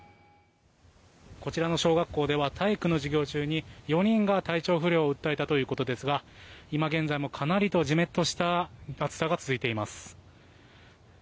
こちらの小学校では体育の授業中に４人が体調不良を訴えたということですが今現在も、かなりジメッとした暑さが続いています。